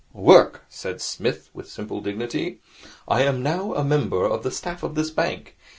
'Work,' said Psmith, with simple dignity. 'I am now a member of the staff of this bank.